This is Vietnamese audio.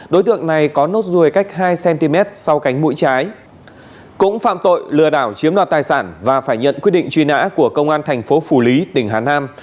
đối tượng đạo chiếm đoạt tài sản và phải nhận quyết định truy nã của công an thành phố phủ lý tỉnh hà nam